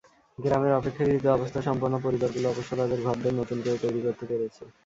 গ্রামের অপেক্ষাকৃত অবস্থাসম্পন্ন পরিবারগুলো অবশ্য তাদের ঘরদোর নতুন করে তৈরি করতে পেরেছে।